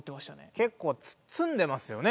結構詰んでますよね